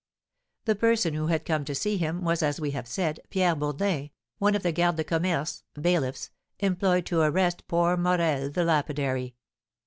The person who had come to see him was, as we have said, Pierre Bourdin, one of the gardes de commerce (bailiffs) employed to arrest poor Morel, the lapidary.